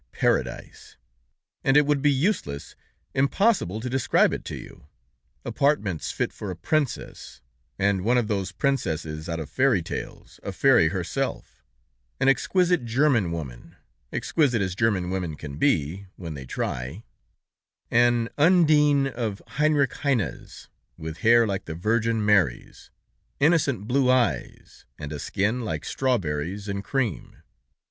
Paradise! and it would be useless, impossible to describe it to you! Apartments fit for a princess, and one of those princesses out of fairy tales, a fairy herself. An exquisite German woman, exquisite as German women can be, when they try. An Undine of Heinrich Heine's, with hair like the Virgin Mary's, innocent blue eyes, and a skin like strawberries and cream.